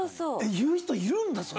言う人いるんだそれ。